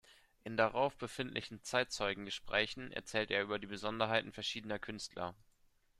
In darauf befindlichen Zeitzeugen-Gesprächen erzählt er über die Besonderheiten verschiedener Künstler.